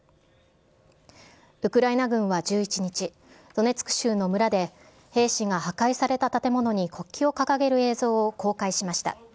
ウクライナ軍は１１日、ドネツク州の村で兵士が破壊された建物に国旗を掲げる映像を公開しました。